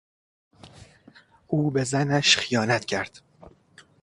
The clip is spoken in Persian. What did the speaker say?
او به زنش خیانت میکند.